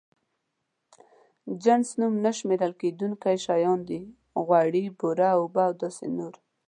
جنس نوم نه شمېرل کېدونکي شيان دي: غوړي، بوره، اوبه او داسې نور.